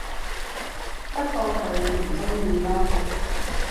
不過佢唔鍾意囉